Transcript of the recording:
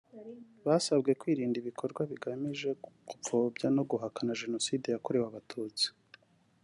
Basabwe kwirinda ibikorwa bigamije ku gupfobya no guhakana Jenoside yakorewe Abatutsi